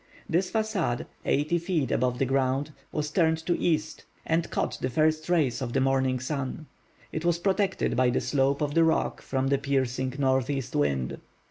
This facade, eighty feet above the ground, was turned to the east, and caught the first rays of the morning sun. It was protected by the slope of the rock from the piercing northeast wind.